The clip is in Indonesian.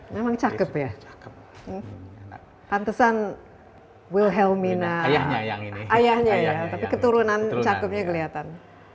memang cakep ya hantesan wilhelmina ayahnya ayahnya keturunan cakepnya kelihatan